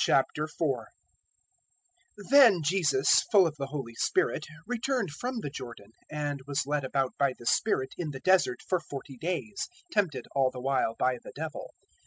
004:001 Then Jesus, full of the Holy Spirit, returned from the Jordan, and was led about by the Spirit in the Desert for forty days, 004:002 tempted all the while by the Devil.